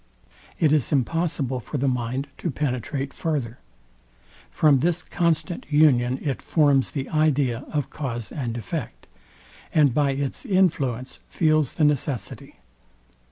It is impossible for the mind to penetrate farther. From this constant union it forms the idea of cause and effect, and by its influence feels the necessity.